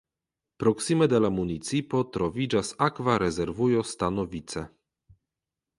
Proksime de la municipo troviĝas akva rezervujo Stanovice.